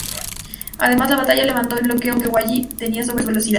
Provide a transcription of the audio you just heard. Además, la batalla levantó el bloqueo que Wally tenía sobre su velocidad.